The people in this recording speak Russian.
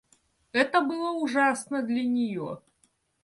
Это было ужасно для нее.